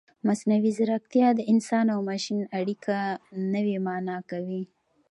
مصنوعي ځیرکتیا د انسان او ماشین اړیکه نوې مانا کوي.